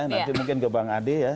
nanti mungkin ke bang ade ya